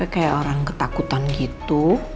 kayak orang ketakutan gitu